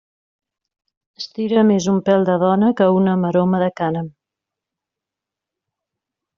Estira més un pèl de dona que una maroma de cànem.